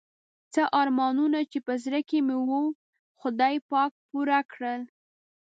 څه ارمانونه چې په زړه کې مې وو خدای پاک پوره کړل.